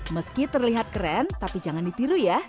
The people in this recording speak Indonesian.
meski terlihat keren tapi jangan ditiru ya